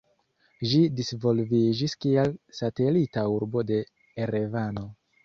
Ĝi disvolviĝis kiel satelita urbo de Erevano.